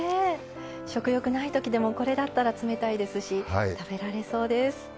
食欲ないときでもこれなら冷たいですし食べられそうです。